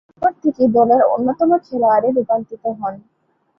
এরপর থেকেই দলের অন্যতম খেলোয়াড়ে রূপান্তরিত হন।